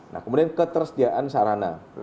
nah kemudian ketersediaan sarana